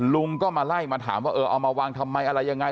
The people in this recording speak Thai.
ลุงก็มาไล่มาถามว่าเออเอามาวางทำไมอะไรยังไง